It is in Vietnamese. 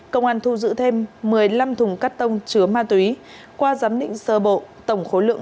công an thu giữ thêm một mươi năm thùng cắt tông chứa ma túy qua giám định sơ bộ tổng khối lượng